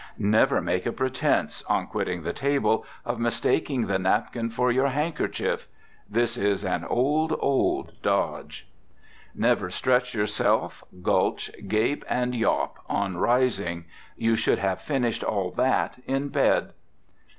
Never make a pretense, on quitting the table, of mistaking the napkin for your handkerchief. This is an old, old dodge. Never stretch yourself, gulch, gape and yawp on rising. You should have finished all that in bed.